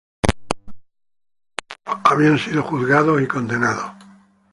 Ambos gemelos habían sido juzgados y condenados a muerte.